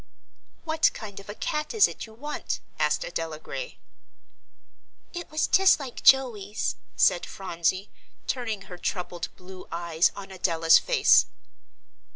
"What kind of a cat is it you want?" asked Adela Gray. "It was just like Joey's," said Phronsie, turning her troubled blue eyes on Adela's face.